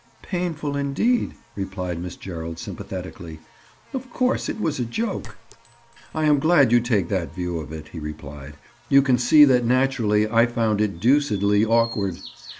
"Painful, indeed," replied Miss Gerald sympathetically. "Of course it was a joke." "I am glad you take that view of it," he replied. "You can see that naturally I found it deucedly awkward.